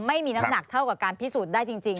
ไม่มีน้ำหนักเท่ากับการพิสูจน์ได้จริง